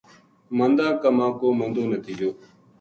مندا کماں کو مندو نتیجو